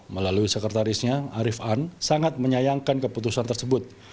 melalui sekretarisnya arief an sangat menyayangkan keputusan tersebut